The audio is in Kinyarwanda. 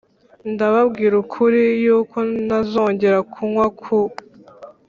Ndababwira ukuri yuko ntazongera kunywa ku